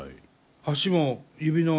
足も指の。